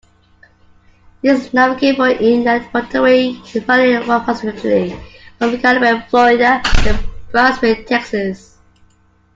It is a navigable inland waterway running approximately from Carrabelle, Florida, to Brownsville, Texas.